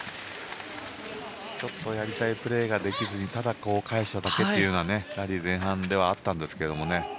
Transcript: ちょっとやりたいプレーができずにただ返しただけというラリー前半でしたけどね。